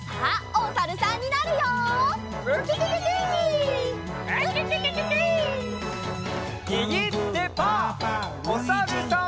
おさるさん。